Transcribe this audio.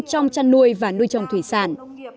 trong trăn nuôi và nuôi trồng thủy sản